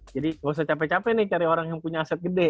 jadi gak usah capek capek nih cari orang yang punya aset gede